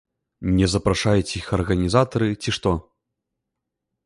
Не запрашаюць іх арганізатары, ці што?